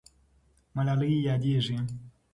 ملالۍ یادېږي.